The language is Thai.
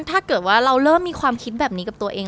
ถ้าเกิดว่าเราเริ่มมีความคิดแบบนี้กับตัวเอง